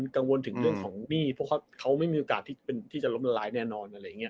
กังวลถึงเรื่องของหนี้เพราะเขาไม่มีโอกาสที่จะล้มละลายแน่นอนอะไรอย่างนี้